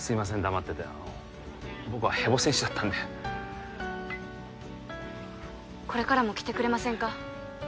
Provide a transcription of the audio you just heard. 黙っててあの僕はヘボ選手だったんでこれからも来てくれませんか？